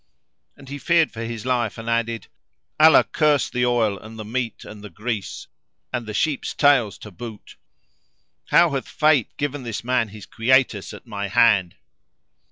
And he feared for his life, and added "Allah curse the oil and the meat and the grease and the sheep's tails to boot! How hath fate given this man his quietus at my hand!"